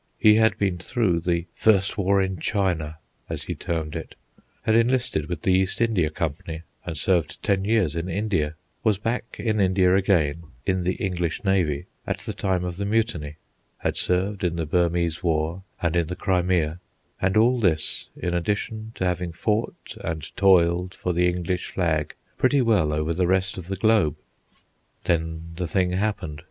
He had been through the "First War in China," as he termed it; had enlisted with the East India Company and served ten years in India; was back in India again, in the English navy, at the time of the Mutiny; had served in the Burmese War and in the Crimea; and all this in addition to having fought and toiled for the English flag pretty well over the rest of the globe. Then the thing happened.